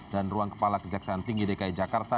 dan ruang kepala kejaksaan tinggi dki jakarta